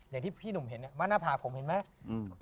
อย่างที่พี่หนุ่มเห็นว่าหน้าผากผมเห็นไหม